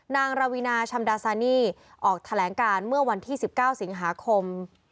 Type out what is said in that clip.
นางราวีนาชำดาซานี่ออกแถลงการเมื่อวันที่๑๙สิงหาคม